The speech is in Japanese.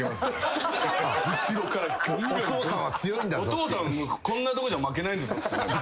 お父さんこんなとこじゃ負けないんだぞ。